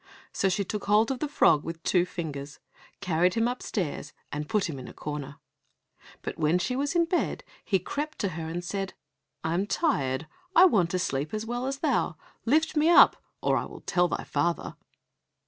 So she took hold of the frog with two fingers, carried him upstairs, and put him in a corner. But when she was in bed he crept to her and said, "I am tired, I want to sleep as well as thou, lift me up or I will tell thy father."